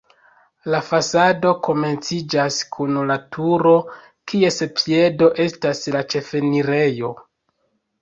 La fasado komenciĝas kun la turo, kies piedo estas la ĉefenirejo.